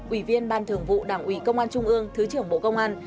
ủy viên ban thường vụ đảng ủy công an trung ương thứ trưởng bộ công an